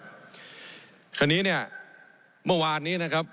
ผมอภิปรายเรื่องการขยายสมภาษณ์รถไฟฟ้าสายสีเขียวนะครับ